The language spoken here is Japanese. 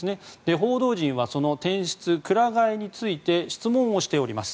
報道陣はその転出くら替えについて質問をしております。